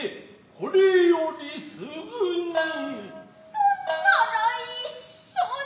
そんなら一緒に。